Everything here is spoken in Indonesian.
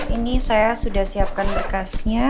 ini saya sudah siapkan berkasnya